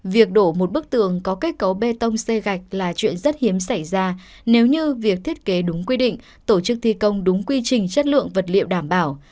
việc đổ một bức tường có kết cấu bê tông xây gạch là chuyện rất hiếm xảy ra nếu như việc thiết kế đúng quy định tổ chức thi công đúng quy trình chất lượng vật liệu đảm bảo